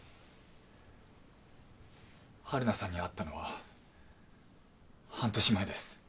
陽菜さんに会ったのは半年前です。